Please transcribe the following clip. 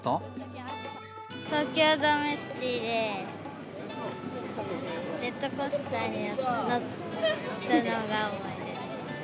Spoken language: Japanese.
東京ドームシティで、ジェットコースターに乗ったのが思い出です。